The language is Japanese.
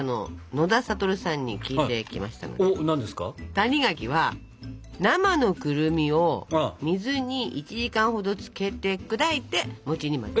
谷垣は生のくるみを水に１時間ほどつけて砕いてに混ぜた。